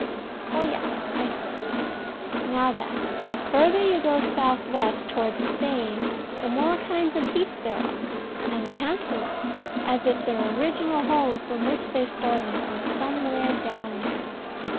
Oh yes, I see. Now then The farther you go south west, towards Spain, the more kinds of heath there are, and the handsomer; as if their original home, from which they started, was somewhere down there.